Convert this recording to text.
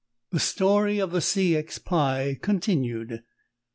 THE STORY OF THE C. X. PIE CONTINUED MR.